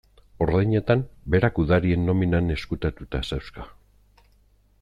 Ordainetan, berak gudarien nominan ezkutatuta zauzka.